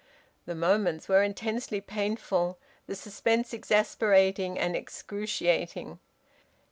The moments were intensely painful; the suspense exasperating and excruciating.